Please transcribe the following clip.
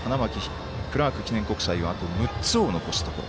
クラーク記念国際はあと６つを残すところ。